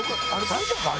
大丈夫か？